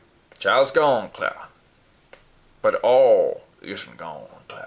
Chile's gone, Clar'; but all ish'n't gone, Clar'.